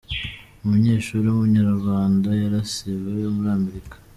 Umunyeshuri w’Umunyarwanda yarasiwe muri Amerika